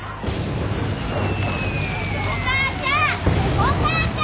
お母ちゃん！